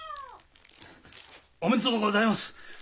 おめでとうございます！